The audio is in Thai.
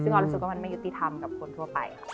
ซึ่งออนรู้สึกว่ามันไม่ยุติธรรมกับคนทั่วไปค่ะ